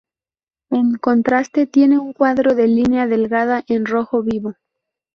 En contraste tiene un cuadro de línea delgada en rojo vivo.